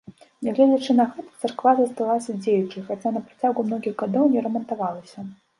Нягледзячы на гэта, царква заставалася дзеючай, хаця на працягу многіх гадоў не рамантавалася.